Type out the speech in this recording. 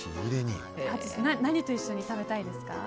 淳さん何と一緒に食べたいですか？